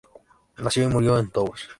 Nació y murió en Tours.